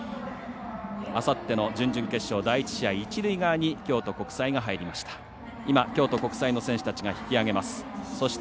あさっての準々決勝、第１試合一塁側に京都国際が入りました。